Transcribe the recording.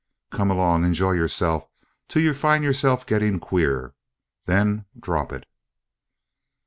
Come along, enjoy yourself till you find yourself getting queer then drop it."